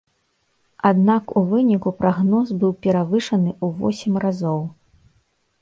Аднак у выніку прагноз быў перавышаны ў восем разоў.